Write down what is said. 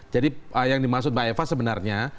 jadi yang dimaksud mbak eva sebenarnya